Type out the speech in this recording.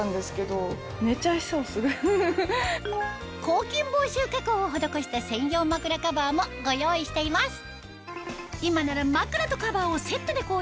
抗菌防臭加工を施した専用まくらカバーもご用意しています